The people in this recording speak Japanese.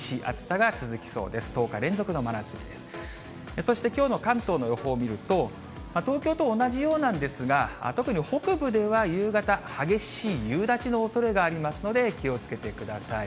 そして、きょうの関東の予報を見ると、東京と同じようなんですが、特に北部では夕方、激しい夕立のおそれがありますので、気をつけてください。